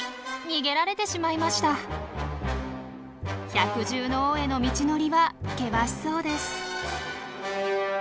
百獣の王への道のりは険しそうです。